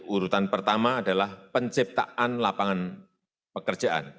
urutan pertama adalah penciptaan lapangan pekerjaan